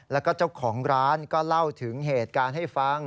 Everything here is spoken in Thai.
แล้วก็เจ้าของร้านก็เล่าถึงเหตุการณ์ให้ฟัง